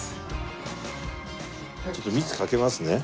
ちょっとみつかけますね。